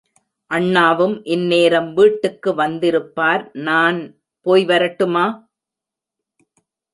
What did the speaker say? அண்ணாவும் இந்நேரம் வீட்டுக்கு வந்திருப்பார் நான்...... போய்வரட்டுமா?